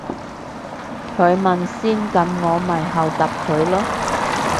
佢問先噉我咪答後佢咯